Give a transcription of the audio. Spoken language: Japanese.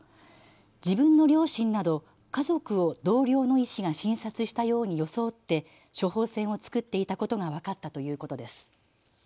自分の両親など家族を同僚の医師が診察したように装って処方箋を作っていたことが分かったということです。